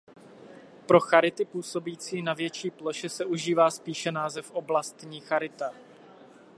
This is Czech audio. Pro charity působící na větší ploše se užívá spíše název oblastní charita.